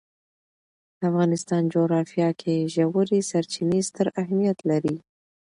د افغانستان جغرافیه کې ژورې سرچینې ستر اهمیت لري.